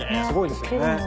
すごいですね。